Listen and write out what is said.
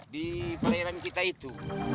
di perairan kita itu